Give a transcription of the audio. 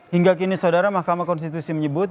hingga kini saudara mahkamah konstitusi menyebut